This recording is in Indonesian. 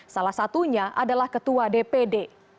salah satunya adalah ketua dpd